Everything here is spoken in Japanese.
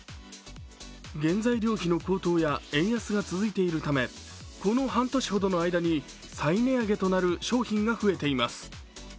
原材料費の高騰や円安が続いているためこの半年ほどの間に再値上げとなる商品が増えています。